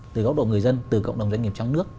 từ góc độ người dân từ cộng đồng doanh nghiệp trong nước